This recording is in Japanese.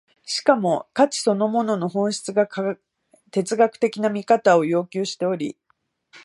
しかも価値そのものの本質が哲学的な見方を要求しており、